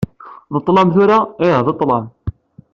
D ṭṭlam tura? - Ih, d ṭṭlam.